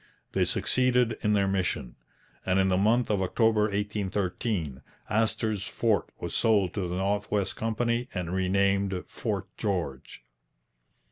They succeeded in their mission, and in the month of October 1813 Astor's fort was sold to the North West Company and renamed Fort George.